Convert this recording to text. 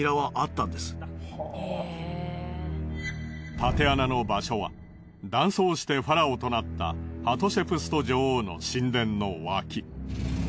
たて穴の場所は男装してファラオとなったハトシェプスト女王の神殿の脇。